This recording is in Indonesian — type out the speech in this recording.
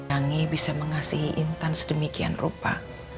nyanyi bisa mengasihi intan sedemikian rupa